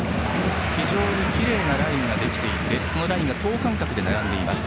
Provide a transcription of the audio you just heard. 非常にきれいなラインができていて等間隔に並んでいます。